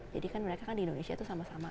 jadi kan mereka kan di indonesia itu sama sama